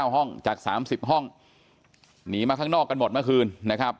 ห้องจาก๓๐ห้องหนีมาข้างนอกกันหมดเมื่อคืนนะครับ